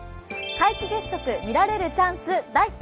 皆既月食見られるチャンス大。